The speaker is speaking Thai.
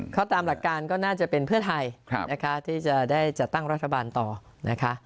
เขาตามหลักการก็น่าจะเป็นเพื่อไทยนะคะที่จะได้จัดตั้งรัฐบาลต่อนะคะ